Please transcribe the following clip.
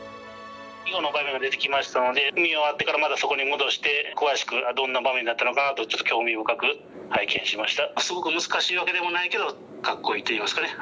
囲碁の場面が出てきましたので見終わってからまたそこに戻して詳しくどんな場面だったのかとちょっと興味深く拝見しました。